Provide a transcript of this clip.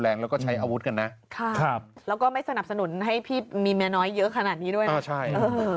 แล้วก็ไม่สนับสนุนให้พี่มีแม่น้อยเยอะขนาดนี้ด้วยก็ใช่